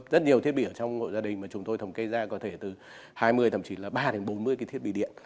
rất nhiều thiết bị trong hội gia đình mà chúng tôi thống kê ra có thể từ hai mươi thậm chí là ba đến bốn mươi cái thiết bị điện